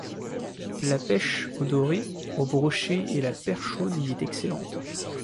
La pêche au doré, au brochet et à la perchaude y est excellente.